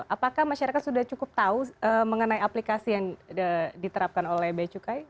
apakah masyarakat sudah cukup tahu mengenai aplikasi yang diterapkan oleh becukai